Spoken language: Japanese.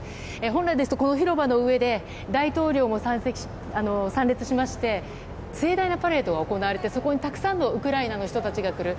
本来ならば、この広場の上で大統領も参列しまして盛大なパレードが行われましてそこにたくさんのウクライナの人たちが来る。